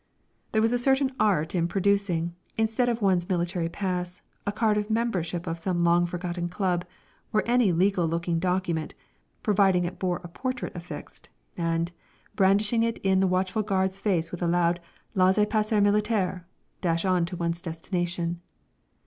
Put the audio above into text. There was a certain art in producing, instead of one's military pass, a card of membership of some long forgotten club or any legal looking document, providing it bore a portrait affixed, and, brandishing it in the watchful guard's face with a loud "Laissez passer militaire," dash on to one's destination.